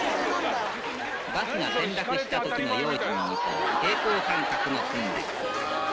バスが転落したときの用心にと、平衡感覚の訓練。